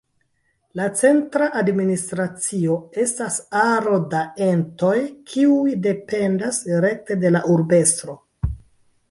La centra administracio estas aro da entoj kiuj dependas rekte de la Urbestro.